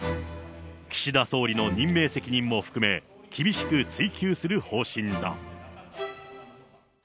岸田総理の任命責任も含め、厳しく追及する方針だ。